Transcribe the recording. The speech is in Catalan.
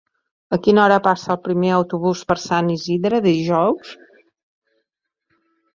A quina hora passa el primer autobús per Sant Isidre dijous?